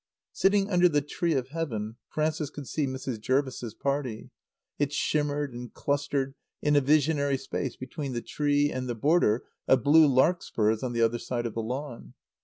Sitting under the tree of Heaven Frances could see Mrs. Jervis's party. It shimmered and clustered in a visionary space between the tree and the border of blue larkspurs on the other side of the lawn.